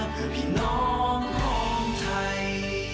คือพี่น้องของไทย